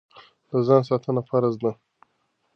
د ځان ساتنه فرض ده.